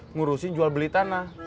ngurusin jual beli tanah